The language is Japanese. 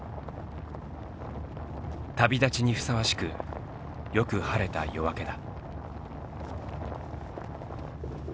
旅立ちにふさわしくよく晴れた夜明けだ。